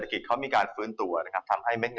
ทุกคนก็น่าเป็นห่วง